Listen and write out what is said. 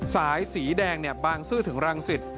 สายสีแดงบางซื่อถึงรังสิต